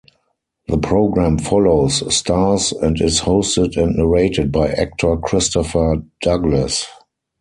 The program follows, stars, and is hosted and narrated by actor Christopher Douglas.